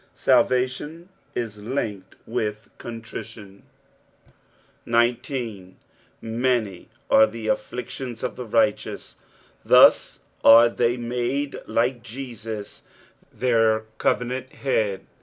Balvation is linked with contrition. 19. " Jfany are the afflietiom of the rigktetmt." Tbos are they made like Jesus their covenant Head.